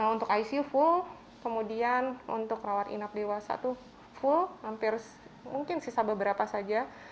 untuk icu full kemudian untuk rawat inap dewasa itu full hampir mungkin sisa beberapa saja